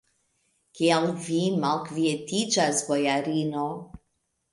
Kial vi malkvietiĝas, bojarino?